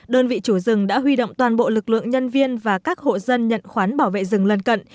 đơn vị chủ rừng đã huy động toàn bộ lực lượng nhân viên và các hộ dân nhận khoán bảo vệ rừng lần cận